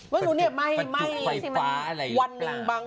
ประจุไฟฟ้าอะไรหรือเปล่า